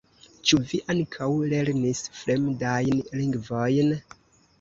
Ĉu vi ankaŭ lernis fremdajn lingvojn?